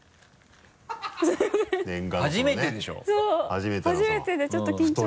初めてでちょっと緊張しちゃう。